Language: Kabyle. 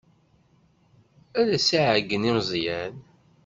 Ad as-iɛeyyen i Meẓyan.